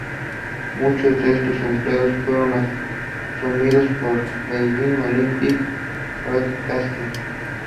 Muchos de estos empleados fueron asumidos por Beijing Olympic Broadcasting.